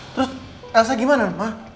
terus elsa gimana ma